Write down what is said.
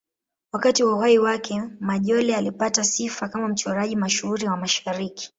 Wakati wa uhai wake, Majolle alipata sifa kama mchoraji mashuhuri wa Mashariki.